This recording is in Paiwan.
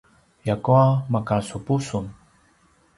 ljakua makasupu sun